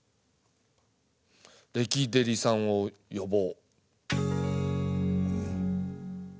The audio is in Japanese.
レキデリさんを呼ぼう。